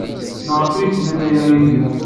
Maɣef ay as-nnan aya i Yidir?